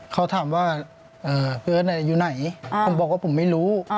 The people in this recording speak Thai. เขาถามว่าเพื่อนอยู่ไหนผมบอกว่าผมไม่รู้